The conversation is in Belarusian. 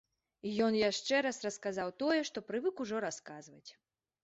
І ён яшчэ раз расказаў тое, што прывык ужо расказваць.